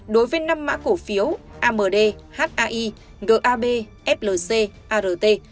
đối với năm mã cổ phiếu amd haii gab flc art